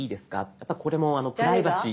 やっぱこれもプライバシー。